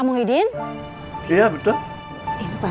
begitu dong dari dulu ya